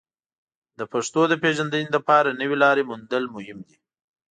د پښتو د پیژندنې لپاره نوې لارې موندل مهم دي.